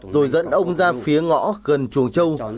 rồi dẫn ông ra phía ngõ gần chuồng châu